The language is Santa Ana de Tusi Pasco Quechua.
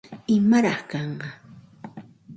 ¿Imaraq kanqa?